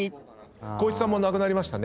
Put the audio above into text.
光一さんもなくなりましたね。